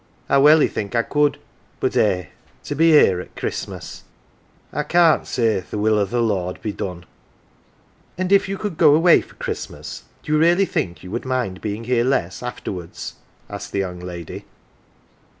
"I welly think I could. But, eh ! to be here at Christmas I can't say th 1 will o' th 1 Lord be done !" "And if you could go away for Christmas, do you really think you would mind being here less, afterwards ?" asked the young lady.